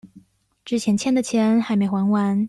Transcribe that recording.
之前欠的錢還沒還完